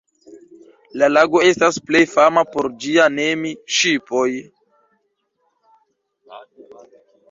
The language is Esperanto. La lago estas plej fama por ĝia Nemi-ŝipoj.